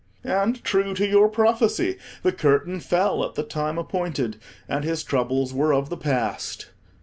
And true to your prophecy the curtain fell at the time appointed, and his troubles were of the past.